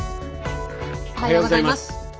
おはようございます。